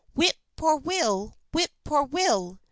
"_Whip poor will! Whip poor will!